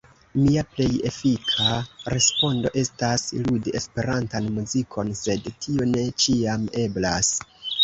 Mia plej efika respondo estas ludi Esperantan muzikon, sed tio ne ĉiam eblas.